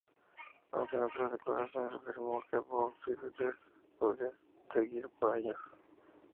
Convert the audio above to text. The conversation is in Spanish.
Aunque en otras declaraciones afirmó que Foo Fighters podría seguir por años.